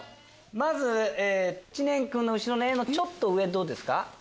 まず知念君の後ろの絵のちょっと上どうですか？